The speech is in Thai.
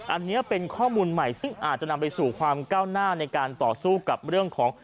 อันนี้เป็นข้อมูลใหม่ซึ่งอาจจะนำไปสู่ความก้าวหน้าในการต่อสู้กับเรื่องของ